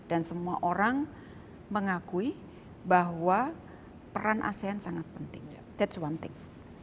dan semua orang mengakui bahwa peran asean sangat penting that's one thing